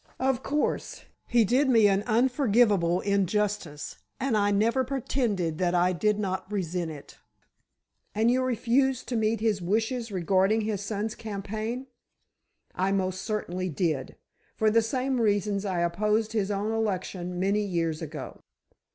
"Of course. He did me an unforgivable injustice and I never pretended that I did not resent it." "And you refused to meet his wishes regarding his son's campaign?" "I most certainly did, for the same reasons I opposed his own election many years ago."